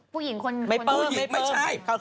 ผู้หญิงคนที่เราเกี่ยวใครเข้าจับว่ากันไหม